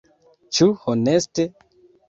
Ĉu honeste?